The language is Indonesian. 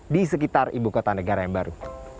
di sekitar ibu kota negara yang baru